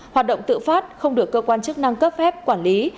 hoạt động tự phát không được cơ quan chức năng cấp phép quản lý